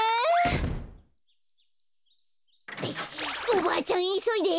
おばあちゃんいそいで。